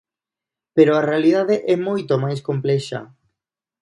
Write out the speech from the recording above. Pero a realidade é moito máis complexa.